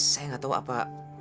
saya gak tau apa